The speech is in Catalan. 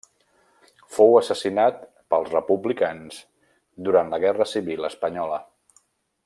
Fou assassinat pels republicans durant la Guerra Civil espanyola.